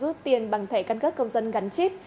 vừa rút tiền bằng thẻ căn cấp công dân gắn chip